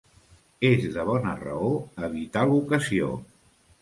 És de bona raó evitar l'ocasió.